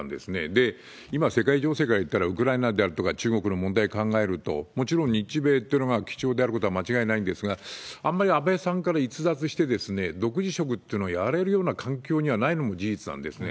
で、いま世界情勢からいったら、ウクライナであるとか中国の問題考えると、もちろん日米というのは貴重であることは間違いないんですが、あんまり安倍さんから逸脱して、独自色というのをやれるような環境にはないのも事実なんですね。